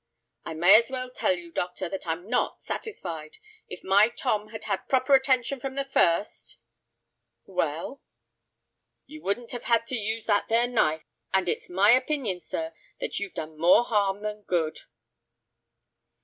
"I may as well tell you, doctor, that I'm not satisfied. If my Tom had had proper attention from the first—" "Well?" "You wouldn't have had to use that there knife. And it's my opinion, sir, that you've done more harm than good."